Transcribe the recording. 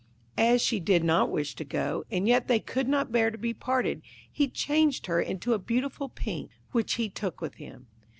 As she did not wish to go, and yet they could not bear to be parted, he changed her into a beautiful Pink, which he took with him.